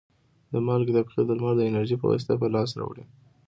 د مالګې تبخیر د لمر د انرژي په واسطه په لاس راوړي.